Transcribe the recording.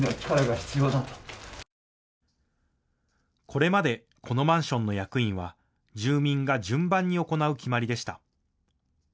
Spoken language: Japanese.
これまでこのマンションの役員は住民が順番に行う決まりでした。